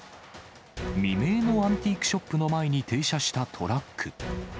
未明のアンティークショップの前に停車したトラック。